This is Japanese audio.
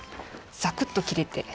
ザクッときれて。